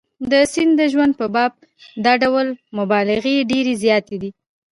د سید د ژوند په باب دا ډول مبالغې ډېرې زیاتې دي.